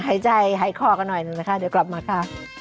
หายใจหายคอกนอดหน่อยหนึ่งแล้วกลับมาค่ะ